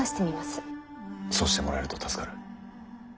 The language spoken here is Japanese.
そうしてもらえると助かる。